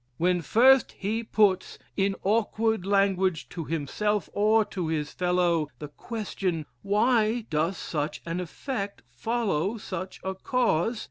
When first he puts, in awkward language, to himself or to his fellow, the question why does such an effect follow such a cause?